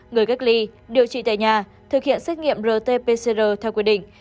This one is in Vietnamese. người cách ly điều trị tại nhà thực hiện xét nghiệm rt pcr theo quy định